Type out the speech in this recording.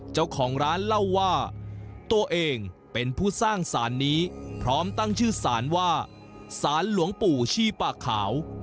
เจ้าของร้านเล่าว่าตัวเองเป็นผู้สร้างสารนี้พร้อมตั้งชื่อสารว่าสารหลวงปู่ชี่ปากขาว